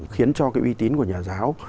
khiến cho cái uy tín của nhà giáo